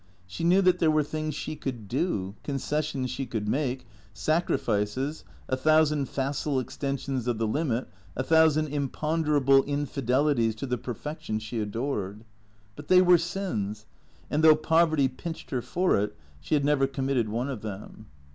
She knew that there were things she could do, concessions she could make, sacrifices, a thousand facile extensions of the limit, a thousand imponder able infidelities to the perfection she adored. But they were sins, and though poverty pinched her for it, she had never committed one of them.